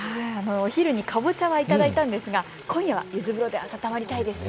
お昼にカボチャはいただいたんですが今夜はゆず風呂で温まりたいですね。